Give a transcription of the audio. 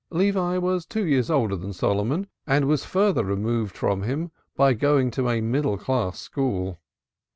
Levi was two years older than Solomon, and was further removed from him by going to a "middle class school."